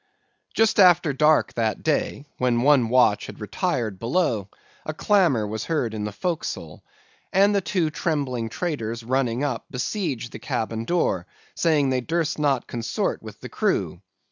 "Just after dark that day, when one watch had retired below, a clamor was heard in the forecastle; and the two trembling traitors running up, besieged the cabin door, saying they durst not consort with the crew.